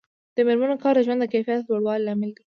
د میرمنو کار د ژوند کیفیت لوړولو لامل دی.